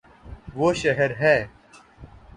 وہ شہر ہے